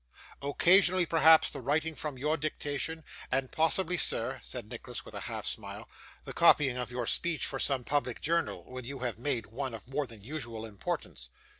'Occasionally, perhaps, the writing from your dictation; and possibly, sir,' said Nicholas, with a half smile, 'the copying of your speech for some public journal, when you have made one of more than usual importance.